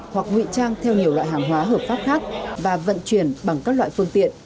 hoặc ngụy trang theo nhiều loại hàng hóa hợp pháp khác và vận chuyển bằng các loại phương tiện